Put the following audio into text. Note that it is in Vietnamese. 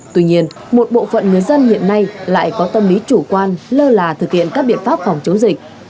tuy nhiên một bộ phận người dân hiện nay lại có tâm lý chủ quan lơ là thực hiện các biện pháp phòng chống dịch